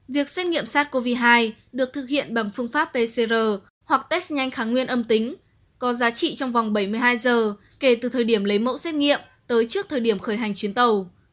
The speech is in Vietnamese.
việc xét nghiệm sars cov hai được thực hiện bằng phương pháp pcr hoặc test nhanh kháng nguyên âm tính có giá trị trong vòng bảy mươi hai giờ kể từ thời điểm lấy mẫu xét nghiệm tới trước thời điểm khởi hành chuyến tàu